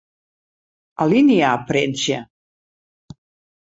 Alinea printsje.